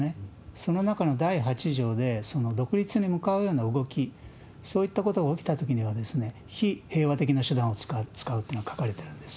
その中の第８条で、その独立に向かうような動き、そういったことが起きたときには、非平和的な手段を使うっていうのが書かれてるんです。